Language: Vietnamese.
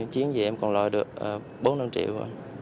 chuyến gì em còn lo được bốn mươi năm triệu